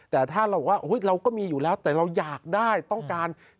แต่ถ้าเราก็มีอยู่แล้วแต่เราอยากได้ต้องการ